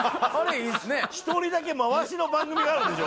１人だけまわしの番組があるんでしょ？